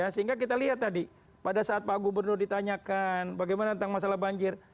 sehingga kita lihat tadi pada saat pak gubernur ditanyakan bagaimana tentang masalah banjir